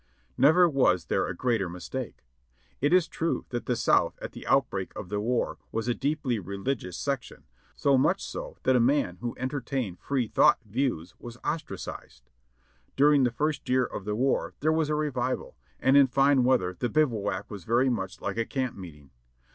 Never was there a greater mistake. It is true that the South at tlie outbreak of the war was a deeply religious section ; so much so that a man who entertained "free thought" views was ostracised. During the first year of the war there was a revival, and in fine weather the bivouac was very much like a camp meeting.